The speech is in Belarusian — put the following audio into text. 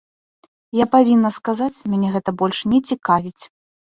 Я павінна сказаць, мяне гэта больш не цікавіць.